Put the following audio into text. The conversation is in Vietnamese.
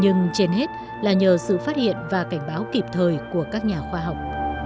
nhưng trên hết là nhờ sự phát hiện và cảnh báo kịp thời của các nhà khoa học